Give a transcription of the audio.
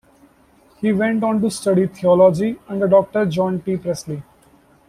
He went on to study theology under Doctor John T. Pressly.